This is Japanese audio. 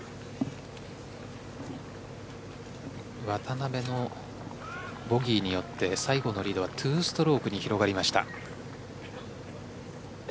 渡邉のボギーによって西郷のリードは２ストロークに広がりました。